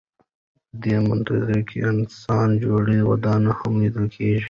په دې منظره کې انسان جوړې ودانۍ هم لیدل کېږي.